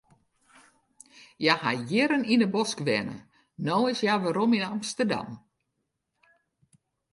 Hja hat jierren yn de bosk wenne, no is hja werom yn Amsterdam.